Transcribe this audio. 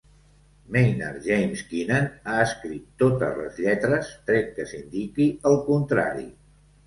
Maynard James Keenan ha escrit totes les lletres, tret que s'indiqui el contrari.